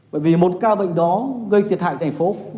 bởi vì một ca bệnh đó gây thiệt hại thành phố